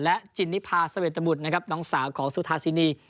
และจินนิพาสเวตบุตรนะครับน้องสาวของสุธาสินี